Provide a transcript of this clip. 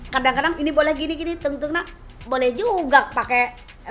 kadang kadang ini boleh gini gini tentu nak boleh juga pakai